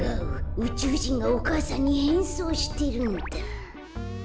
うちゅうじんがお母さんにへんそうしてるんだ。